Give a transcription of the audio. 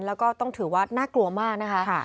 แล้วก็ต้องถือว่าน่ากลัวมากนะคะ